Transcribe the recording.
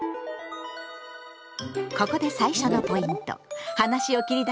ここで最初のポイント。